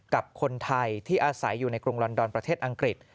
กับคนไทยที่อาศัยอยู่ในกรุงลอนดอนประเทศอังกฤษ